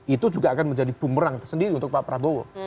itu juga akan menjadi bumerang tersendiri untuk pak prabowo